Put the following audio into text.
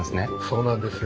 そうなんです。